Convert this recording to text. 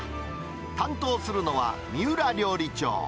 担当するのは、三浦料理長。